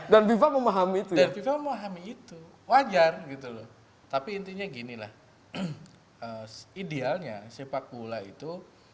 dan biva memahami itu wajar gitu loh tapi intinya ginilah idealnya sepak bola itu